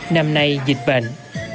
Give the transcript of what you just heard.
năm nay dịch bệnh